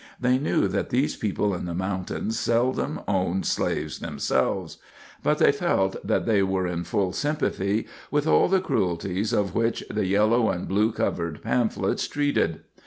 They knew that these people in the mountains seldom owned slaves themselves; but they felt that they were in full sympathy with all the cruelties of which the yellow and blue covered pamphlets treated.